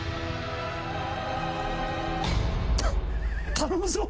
頼むぞ！